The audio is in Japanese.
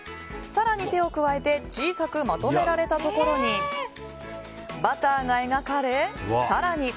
更に手を加えて小さくまとめられたところにバターが描かれ、更に。